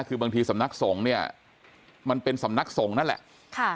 คือบางทีสำนักสงฆ์เนี่ยมันเป็นสำนักสงฆ์นั่นแหละค่ะ